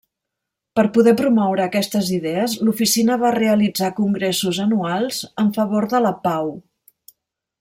Per poder promoure aquestes idees l'Oficina va realitzar congressos anuals en favor de la pau.